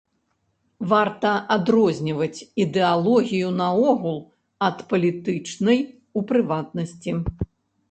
Варта адрозніваць ідэалогію наогул, ад палітычнай у прыватнасці.